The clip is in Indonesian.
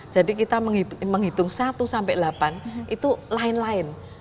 jadi kita menghitung satu sampai delapan itu lain lain